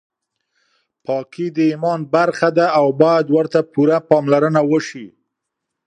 پاکي د ایمان برخه ده او باید ورته پوره پاملرنه وشي.